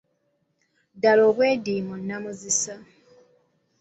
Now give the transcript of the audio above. Ddala obwediimo nnamuzisa.